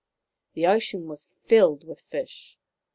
" The ocean was filled with fish.